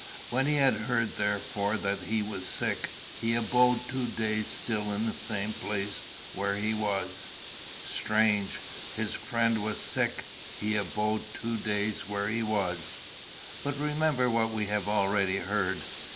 When he had heard therefore that he was sick, he abode two days still in the same place where he was.' "Strange! his friend was sick: he abode two days where he was! But remember what we have already heard.